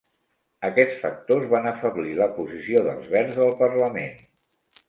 Aquests factors van afeblir la posició dels Verds al parlament.